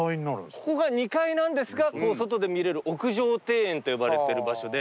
ここが２階なんですが外で見れる屋上庭園と呼ばれてる場所で。